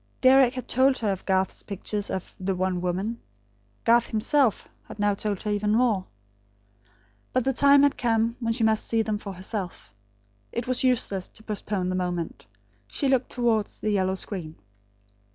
Deryck had told her of Garth's pictures of the One Woman. Garth, himself, had now told her even more. But the time had come when she must see them for herself. It was useless to postpone the moment. She looked towards the yellow screen.